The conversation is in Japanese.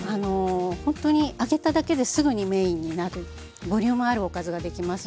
ほんとに揚げただけですぐにメインになるボリュームあるおかずができますので。